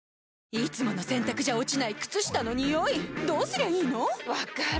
いつもの洗たくじゃ落ちない靴下のニオイどうすりゃいいの⁉分かる。